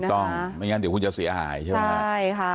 ถูกต้องไม่งั้นเดี๋ยวคุณจะเสียหายใช่ไหมค่ะ